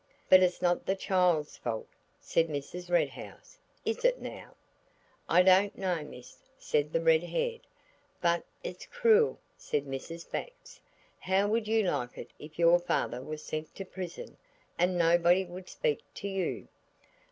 "But it's not the child's fault," said Mrs. Red House, "is it now?" "I don't know, miss," said the red haired. "But it's cruel," said Mrs. Bax. "How would you like it if your father was sent to prison, and nobody would speak to you?"